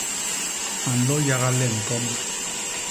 A nlo yaga len kom.